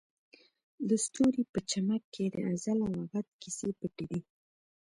د ستوري په چمک کې د ازل او ابد کیسې پټې دي.